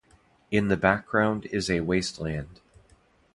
In the background is a wasteland.